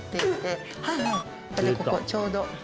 ここちょうど。